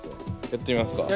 やってみますか。